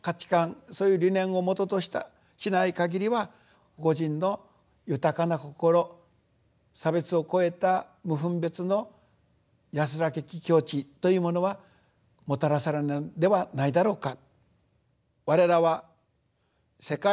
そういう理念をもととしたしない限りは個人の豊かな心差別を超えた無分別の安らけき境地というものはもたらされないではないだろうか。